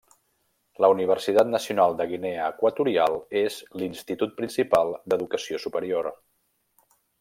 La Universitat Nacional de Guinea Equatorial és l'institut principal d'educació superior.